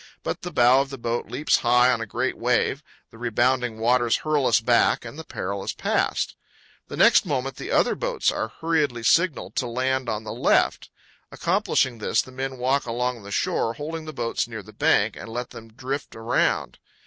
But the bow of the boat leaps high on a great wave, the rebounding waters hurl us back, and the peril is past. The next moment the other boats are hurriedly signaled to land on the left. Accomplishing this, the men walk along the shore, holding the boats near the bank, and let them drift around.